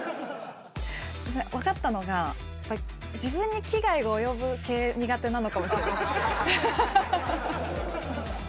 分かったのが、やっぱり自分に危害が及ぶ系、苦手なのかもしれません。